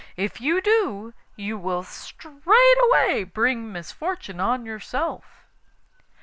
If you do, you will straightway bring misfortune on yourself.